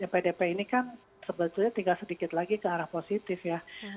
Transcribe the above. pdp ini kan sebetulnya tinggal sedikit lagi ke arah positif ya